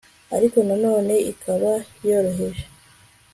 Ariko na none ikaba yoroheje